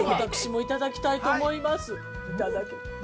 いただきます。